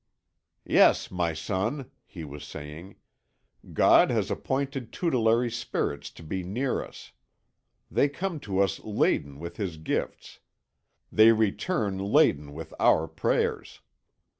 "Yes, my son," he was saying, "God has appointed tutelary spirits to be near us. They come to us laden with His gifts. They return laden with our prayers.